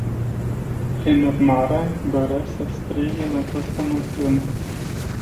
Prin urmare, doresc, să sprijin această moțiune.